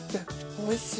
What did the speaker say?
おいしい？